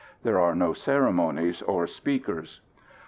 There are no ceremonies or speakers.